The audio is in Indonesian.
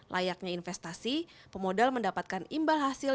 layaknya investasi pemodal mendapatkan imbal hasil